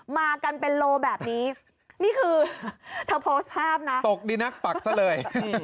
มากันเป็นโลแบบนี้นี่คือเธอโพสต์ภาพนะตกดีนักปักซะเลย